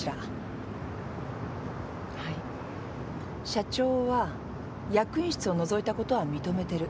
社長は役員室をのぞいたことは認めてる。